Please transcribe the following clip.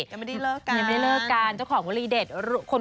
ยังไม่ได้เลิกกันยังไม่ได้เลิกกัน